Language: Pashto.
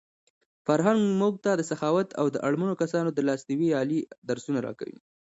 فرهنګ موږ ته د سخاوت او د اړمنو کسانو د لاسنیوي عالي درسونه راکوي.